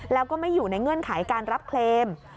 แล้วก็ไม่อยู่ในเงื่อนไขการรับเคลม